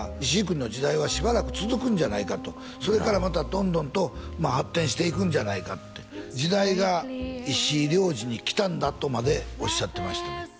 石井君の時代はしばらく続くんじゃないかとそれからまたどんどんと発展していくんじゃないかって時代が石井亮次にきたんだとまでおっしゃってましたね